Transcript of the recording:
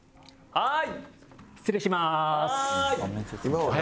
はい？